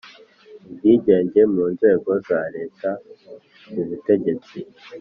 ubwigenge mu nzego za Leta mu butegetsi